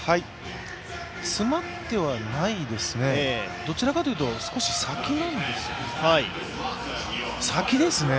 詰まってはないですね、どちらかというと、少し先なんですね。